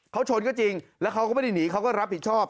เขาชนก็จริงแล้วเขาก็ไม่ได้หนีเขาก็รับผิดชอบ